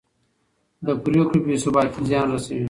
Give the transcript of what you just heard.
د پرېکړو بې ثباتي زیان رسوي